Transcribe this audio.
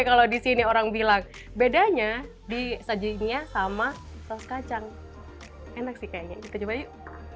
kalau di sini orang bilang bedanya disajiinnya sama saus kacang enak sih kayaknya kita coba yuk